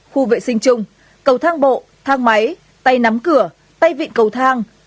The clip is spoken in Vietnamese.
khu vệ sinh chung cầu thang bộ thang máy tay nắm cửa tay vịn cầu thang